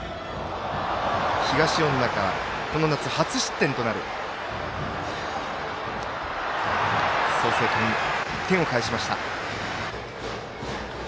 東恩納がこの夏初失点となる創成館、１点を返しました。